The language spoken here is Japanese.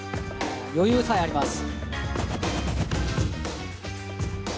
余裕さえあります。